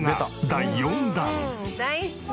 第４弾。